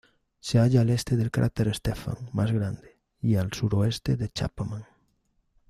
Se halla al este del cráter Stefan, más grande, y al suroeste de Chapman.